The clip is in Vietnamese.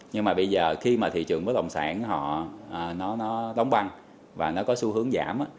nhưng mà bây giờ khi mà thị trường bất động sản họ nó đóng băng và nó có xu hướng giảm